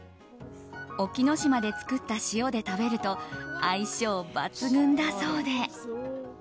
隠岐の島で作った塩で食べると相性抜群だそうで。